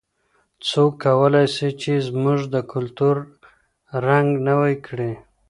څوک کولای سي چې زموږ د کلتور رنګ نوی کړي؟